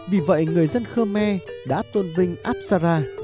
vì vậy người dân khơ me đã tôn vinh apsara